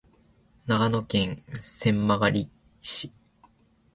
長野県千曲市